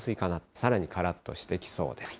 さらにからっとしてきそうです。